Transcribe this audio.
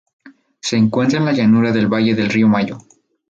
Se encuentra en la llanura del valle del río Mayo.